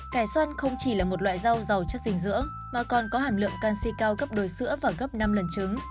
cải xoăn không chỉ là một loại rau giàu chất dinh dưỡng mà còn có hàm lượng canxi cao gấp đôi sữa và gấp năm lần trứng